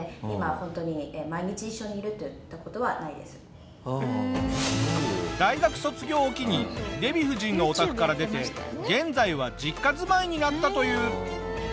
今はホントに大学卒業を機にデヴィ夫人のお宅から出て現在は実家住まいになったという。